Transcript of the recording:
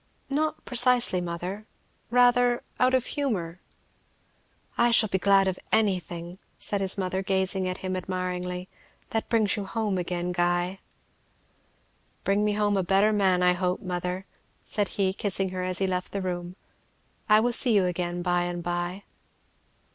"Not precisely, mother, rather out of humour." "I shall be glad of anything," said his mother, gazing at him admiringly, "that brings you home again, Guy." "Bring me home a better man, I hope, mother," said he kissing her as he left the room. "I will see you again by and by."